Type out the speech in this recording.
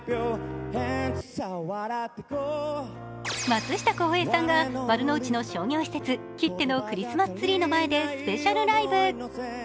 松下洸平さんが丸の内の商業施設ＫＩＴＴＥのクリスマスツリーの前でスペシャルライブ。